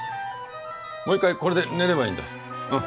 もう一回これで寝ればいいんだ。